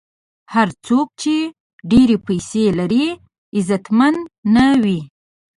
هر څوک چې ډېرې پیسې لري، عزتمن نه وي.